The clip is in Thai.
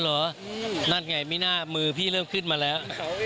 นั่นไงไม่น่ามือพี่เริ่มขึ้นมาแล้ว